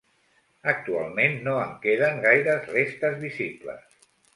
Actualment no en queden gaires restes visibles.